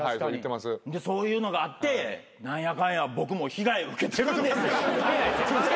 でそういうのがあって何やかんや僕も被害受けてるんですよ。